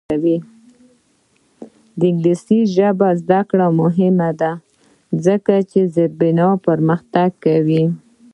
د انګلیسي ژبې زده کړه مهمه ده ځکه چې زیربنا پرمختګ کوي.